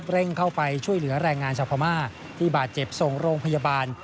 เร่งเข้าไปช่วยเหลือแรงงานชาวพม่าที่บาดเจ็บส่งโรงพยาบาล